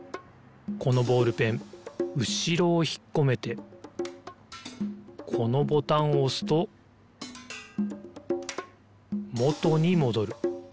このボールペンうしろをひっこめてこのボタンをおすともとにもどる。